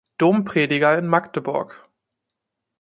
Domprediger in Magdeburg.